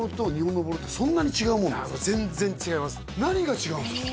何が違うんですか？